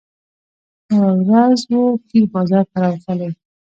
یوه ورځ وو پیر بازار ته راوتلی